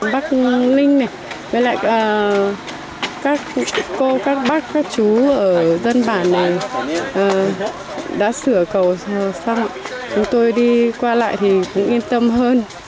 bắc ninh này với lại các cô các bác các chú ở dân bản này đã sửa cầu xong chúng tôi đi qua lại thì cũng yên tâm hơn